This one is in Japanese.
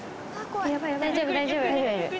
大丈夫大丈夫。